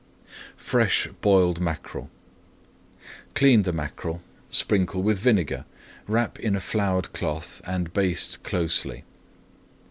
FRESH BOILED MACKEREL Clean the mackerel, sprinkle with vinegar, wrap in a floured cloth and baste closely.